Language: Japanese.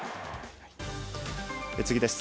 次です。